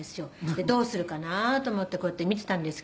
「でどうするかなと思ってこうやって見ていたんですけど」